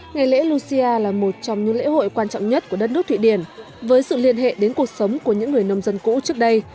ngày lễ lucia là một trong những lễ hội quan trọng nhất của đất nước thụy điển với sự liên hệ đến cuộc sống của những người nông dân cũ trước đây